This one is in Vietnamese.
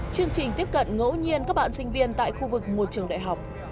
chương trình tiếp cận ngẫu nhiên các bạn sinh viên tại khu vực một trường đại học